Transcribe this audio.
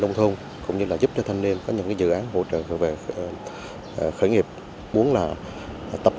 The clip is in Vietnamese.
một trong những điểm nhấn trong tháng thanh niên năm hai nghìn một mươi bảy ở tỉnh phú yên